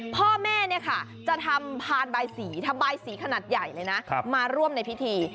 พ่อแม่จะทำผ่านใบสีทำใบสีขนาดใหญ่เลยนะมาร่วมในพิธี